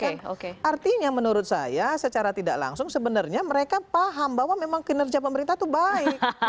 artinya menurut saya secara tidak langsung sebenarnya mereka paham bahwa memang kinerja pemerintah itu baik